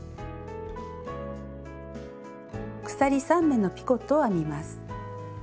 鎖３目のピコットを編みます。